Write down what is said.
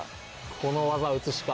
この技をうつしか。